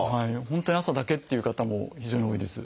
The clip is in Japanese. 本当に朝だけっていう方も非常に多いです。